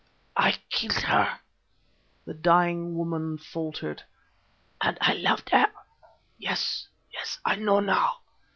"I killed her!" the dying woman faltered, "and I loved her. Yes, yes, I know now.